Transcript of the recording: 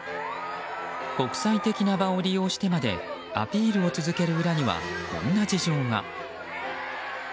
国際的な場を利用してまでアピールを続ける裏にはこんな事情が。